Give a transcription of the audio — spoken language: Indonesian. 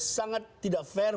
sangat tidak fair